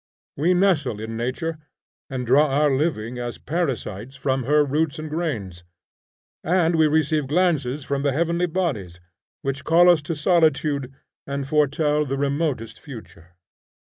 We nestle in nature, and draw our living as parasites from her roots and grains, and we receive glances from the heavenly bodies, which call us to solitude and foretell the remotest future.